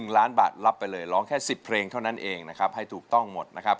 ๑ล้านบาทรับไปเลยร้องแค่๑๐เพลงเท่านั้นเองนะครับให้ถูกต้องหมดนะครับ